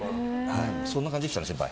そんな感じでしたね、先輩。